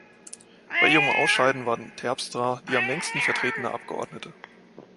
Bei ihrem Ausscheiden war Terpstra die am längsten vertretene Abgeordnete.